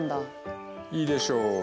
いいでしょう。